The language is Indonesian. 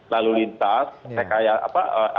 lalu lintas seperti